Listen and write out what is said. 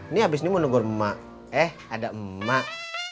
ini abis ini mau tegor mak eh ada emak